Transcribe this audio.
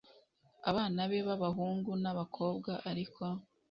abana be b abahungu n ab abakobwa ariko